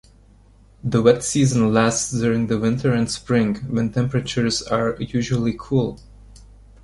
The wet season lasts during the winter and spring, when temperatures are usually cool.